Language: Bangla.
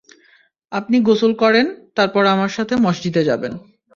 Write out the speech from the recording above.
আপনি গোসল করেন, তারপর আমার সাথে মসজিদে যাবেন।